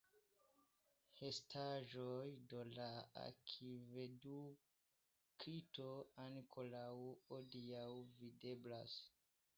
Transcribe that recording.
Restaĵoj de la akvedukto ankoraŭ hodiaŭ videblas.